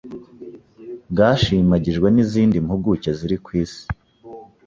bwashimagijwe n'izindi mpuguke ziri kwisi